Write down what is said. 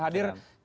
terima kasih banyak